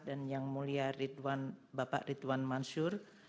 dan yang mulia bapak ridwan mansur